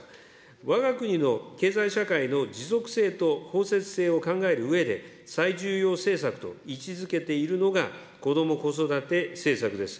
わが国の経済社会の持続性と包摂性を考えるうえで、最重要政策と位置づけているのが、こども・子育て政策です。